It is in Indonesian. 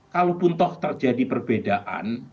kalau pun toh terjadi perbedaan